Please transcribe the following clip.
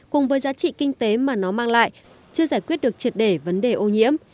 cùng với giá trị kinh tế mà nó mang lại chưa giải quyết được triệt để vấn đề ô nhiễm